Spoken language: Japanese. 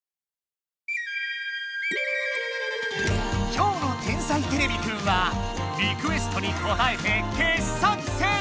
今日の「天才てれびくん」はリクエストにこたえて傑作選。